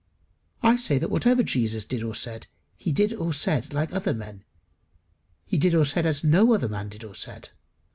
I say that whatever Jesus did or said, he did and said like other men he did and said as no other man did or said.